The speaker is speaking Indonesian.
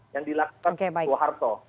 yang dilakukan soeharto